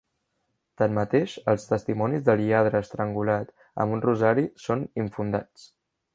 Tanmateix, els testimonis del lladre estrangulat amb un rosari són infundats.